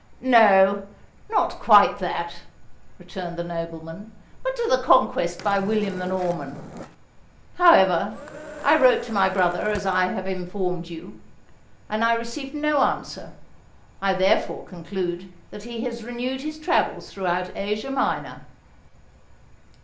"No—not quite that," returned the nobleman; "but to the conquest by William the Norman. However, I wrote to my brother, as I have informed you; and I received no answer. I therefore conclude that he has renewed his travels through Asia Minor."